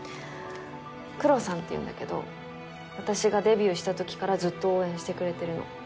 クロさんっていうんだけど私がデビューした時からずっと応援してくれてるの。